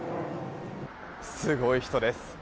すごい人です。